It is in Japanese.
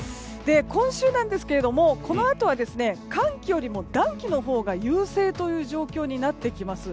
今週ですがこのあとは寒気よりも、暖気のほうが優勢という状況になってきます。